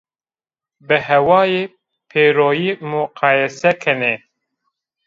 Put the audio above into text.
Bi hawayo pêroyî muqayese kenê